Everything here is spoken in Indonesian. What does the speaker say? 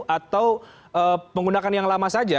atau menggunakan yang lama saja